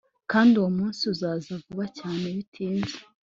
kandi uwo munsi uzaza vuba cyane bitinze